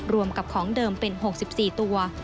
รวมกับของเดิมเป็น๖๔ตัว